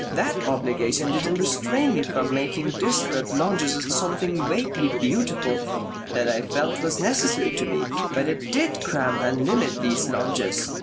That obligation didn't restrain me from making desperate lunges at something vaguely beautiful that I felt was necessary to me; but it did cramp and limit these lunges.